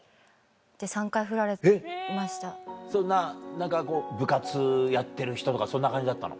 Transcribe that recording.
何かこう部活やってる人とかそんな感じだったの？